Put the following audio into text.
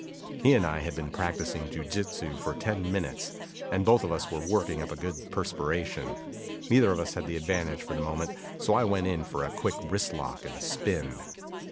He and I had been practicing jiu jitsu for ten minutes, and both of us were working up a good perspiration. Neither of us had the advantage for the moment, so I went in for a quick wristlock and spin.